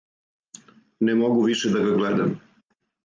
Не могу више да га гледам.